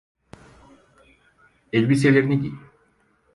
Elbiselerini giy.